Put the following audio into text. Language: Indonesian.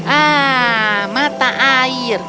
ah mata air